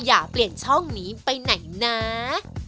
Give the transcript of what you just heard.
อย่าเปลี่ยนช่องนี้ไปไหนนะ